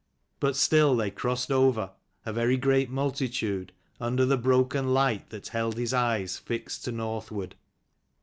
But still they crossed over, a very great multitude, under the broken light that held his eyes fixed to northward.